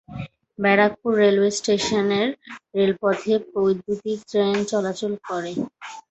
Barrackpore railway স্টেশনের রেলপথে বৈদ্যুতীক ট্রেন চলাচল করে।